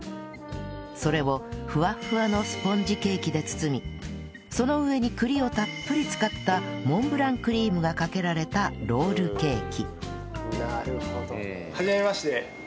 それをふわふわのスポンジケーキで包みその上に栗をたっぷり使ったモンブランクリームがかけられたロールケーキはじめまして。